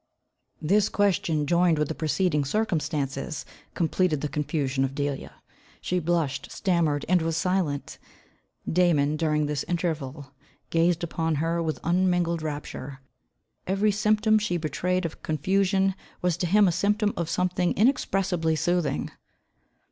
This question, joined with the preceding circumstances, completed the confusion of Delia. She blushed, stammered, and was silent. Damon, during this interval, gazed upon her with unmingled rapture. Every symptom she betrayed of confusion, was to him a symptom of something inexpressibly soothing.